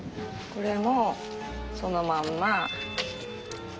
これもそのまんま。